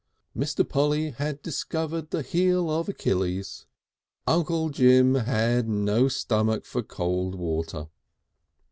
Mr. Polly had discovered the heel of Achilles. Uncle Jim had no stomach for cold water.